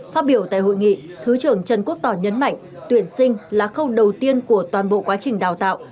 phát biểu tại hội nghị thứ trưởng trần quốc tỏ nhấn mạnh tuyển sinh là khâu đầu tiên của toàn bộ quá trình đào tạo